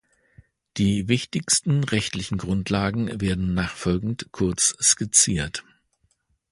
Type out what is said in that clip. Die wichtigsten rechtlichen Grundlagen werden nachfolgend kurz skizziert.